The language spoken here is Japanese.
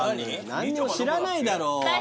何も知らないだろああ